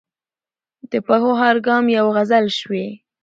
د پښو هر ګام یې یوه غزل شوې.